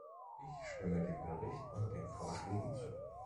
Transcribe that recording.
Ich stimme dem Bericht und den Vorschlägen zu.